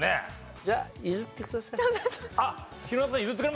じゃあ譲ってください。